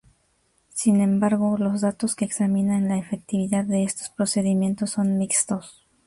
Sin embargo, los datos que examinan la efectividad de estos procedimientos son mixtos.